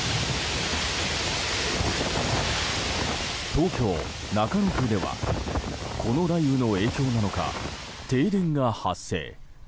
東京・中野区では、この雷雨の影響なのか停電が発生。